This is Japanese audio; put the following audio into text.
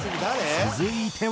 続いては。